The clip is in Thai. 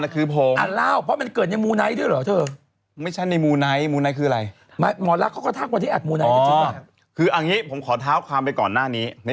คืออย่างนี้ผมขอเท้าความไปก่อนหน้านี้